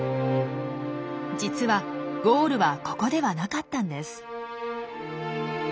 実はゴールはここではなかったんです。